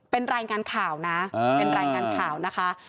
เป็นรายงานข่าวนะเป็นรายงานข่าวนะคะ